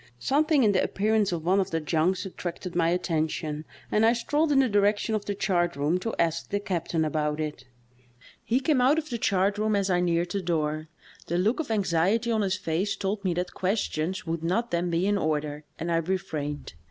Something in the appearance of one of the junks attracted piy attention, and I 142 THE TALKING HANDKERCHIEF. strolled in the direction of the chartroom to ask the captain about it. He came out of the chartroom as I neared the door. The look of anxiety on his face told me that questions would not then be in order, and I refrained.